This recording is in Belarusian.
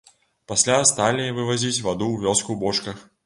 Пасля сталі вазіць ваду ў вёску ў бочках.